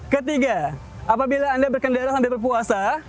ketiga apabila anda berkendara sambil berpuasa